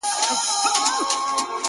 نه پوهېږي چي چاره پوري حيران دي٫